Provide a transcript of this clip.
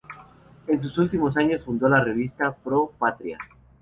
En sus últimos años fundó la revista "Pro Patria".